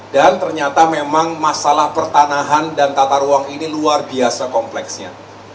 dan ternyata memang masalah pertanahan dan tata ruang ini luar biasa kompleksnya